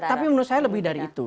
tapi menurut saya lebih dari itu